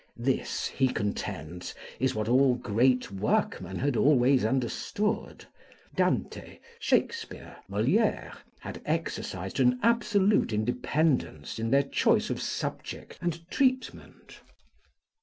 This, he contends, is what all great workmen had always understood. Dante, Shakespeare, Molière, had exercised an absolute independence in their choice of subject and treatment.